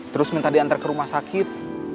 terus minta diantar ke rumah sakit